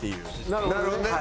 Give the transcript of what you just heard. なるほどね。